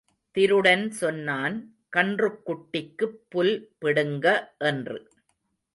திருடன் சொன்னான், கன்றுக்குட்டிக்குப் புல் பிடுங்க. என்று.